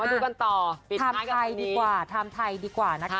มาดูกันต่อปิดไทยกับคนนี้ทำไทยดีกว่าทำไทยดีกว่านะคะ